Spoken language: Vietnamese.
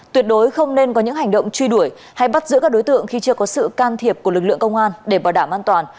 tuyệt đối không nên có những hành động truy đuổi hay bắt giữ các đối tượng khi chưa có sự can thiệp của lực lượng công an để bảo đảm an toàn